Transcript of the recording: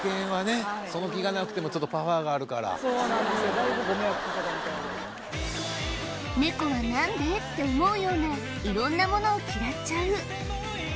だいぶご迷惑かけたみたいでネコは「何で？」って思うような色んなものを嫌っちゃう